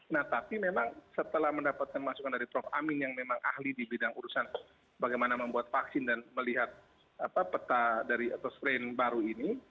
nah tapi memang setelah mendapatkan masukan dari prof amin yang memang ahli di bidang urusan bagaimana membuat vaksin dan melihat peta dari atau strain baru ini